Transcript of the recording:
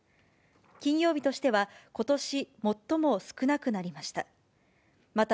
金曜日としてはことし最も少なくなりました。